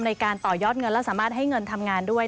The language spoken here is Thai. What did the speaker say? ในการต่อยอดเงินและสามารถให้เงินทำงานด้วย